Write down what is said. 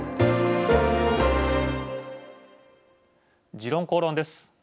「時論公論」です。